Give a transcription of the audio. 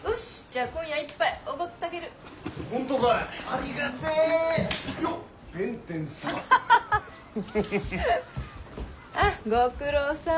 ああご苦労さん。